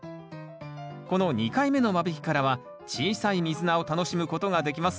この２回目の間引きからは小さいミズナを楽しむことができます。